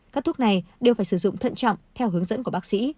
các thuốc này đều phải sử dụng thận trọng theo hướng dẫn của bác sĩ